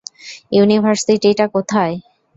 University টা কোথায়?